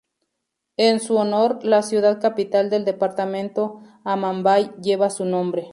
En su honor, la ciudad capital del departamento Amambay lleva su nombre.